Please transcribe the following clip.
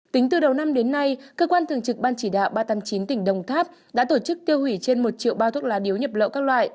tính từ đầu năm đến nay cơ quan thường trực ban chỉ đạo ba trăm tám mươi chín tỉnh đồng tháp đã tổ chức tiêu hủy trên một triệu bao thuốc lá điếu nhập lậu các loại